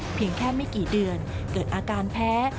เพียงแค่ไม่กี่เดือนเกิดอาการแพ้